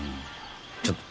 ちょっと。